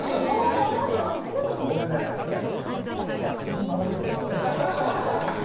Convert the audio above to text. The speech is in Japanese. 俺ね、約束守る人なんだよ。